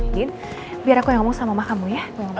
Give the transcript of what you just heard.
din biar aku yang ngomong sama mamamu ya